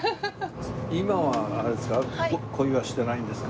今はあれですか？